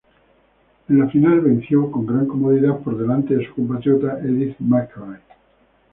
En la final venció con gran comodidad por delante de su compatriota Edith McGuire.